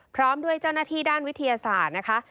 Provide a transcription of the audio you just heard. พร้อมด้วยเจ้าหน้าที่ด้านวิทยาศาสตร์นะคะ